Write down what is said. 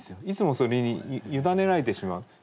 いつもそれに委ねられてしまう。